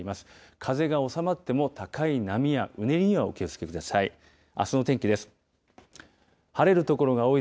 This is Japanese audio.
風が収まっても、高い波やうねりにはお気をつけください。